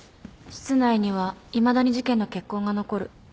室内にはいまだに事件の血痕が残る。